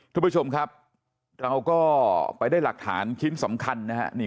ทุกผู้ชมครับเราก็ไปได้หลักฐานชิ้นสำคัญนะฮะ